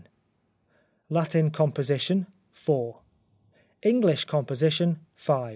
Latin Composition — 4. English Composition — 5.